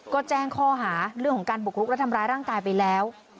ก็แจ้งข้อหาเรื่องของการบุกรุกและทำร้ายร่างกายไปแล้ว